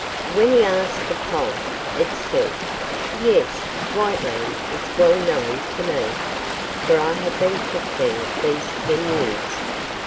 When he asked the pike, it said, 'Yes, Whiteland is well known to me, for I have been cook there these ten years.